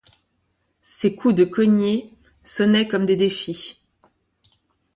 Ses coups de cognée sonnaient comme des défis.